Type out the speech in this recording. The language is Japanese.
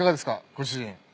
ご主人。